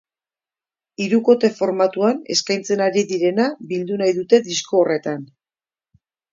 Hirukote formatuan eskaintzen ari direna bildu nahi dute disko horretan.